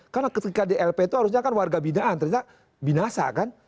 karena ketika di lp itu harusnya kan warga binaan ternyata binasa kan